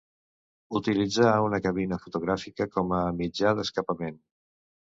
Utilitzar una cabina fotogràfica com a mitjà d'escapament.